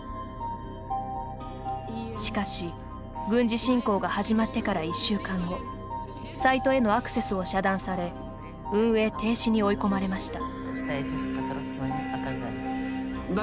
しかし、軍事侵攻が始まってから１週間後サイトへのアクセスを遮断され運営停止に追い込まれました。